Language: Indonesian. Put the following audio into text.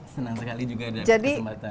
senang sekali juga ada kesempatan